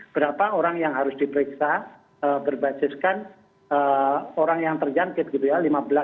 berapa orang yang harus diperiksa berbasiskan orang yang terjangkit gitu ya